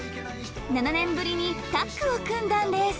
７年ぶりにタッグを組んだんです